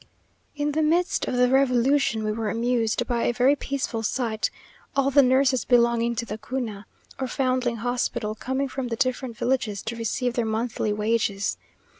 In the midst of the revolution, we were amused by a very peaceful sight all the nurses belonging to the Cuna, or Foundling hospital, coming from the different villages to receive their monthly wages.